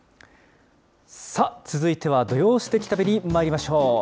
さあ、続いては土曜すてき旅にまいりましょう。